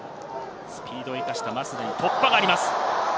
スピードを生かした突破があります。